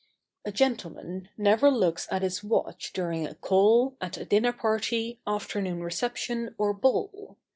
] A gentleman never looks at his watch during a call, at a dinner party, afternoon reception or ball.